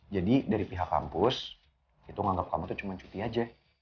jadi dari pihak kampus itu nganggap kamu tuh cuma cuti aja